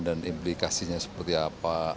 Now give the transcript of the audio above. dan implikasinya seperti apa